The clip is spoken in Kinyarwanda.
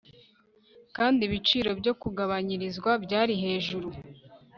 kandi ibiciro byo kugabanyirizwa byari hejuru